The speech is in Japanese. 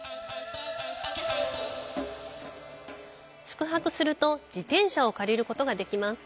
宿泊すると自転車を借りることができます。